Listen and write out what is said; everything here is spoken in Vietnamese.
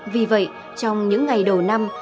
vì vậy trong những ngày đầu năm